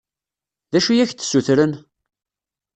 D acu i ak-d-ssutren?